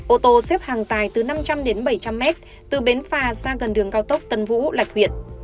ô tô xếp hàng dài từ năm trăm linh bảy trăm linh m từ bến phà ra gần đường cao tốc tân vũ lạch huyện